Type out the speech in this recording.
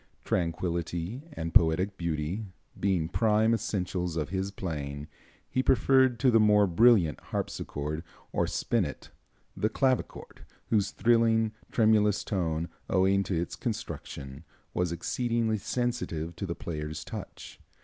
Tranquillity and poetic beauty being prime essentials of his playing, he preferred to the more brilliant harpsichord, or spinet, the clavichord, whose thrilling, tremulous tone, owing to its construction, was exceedingly sensitive to the player's touch.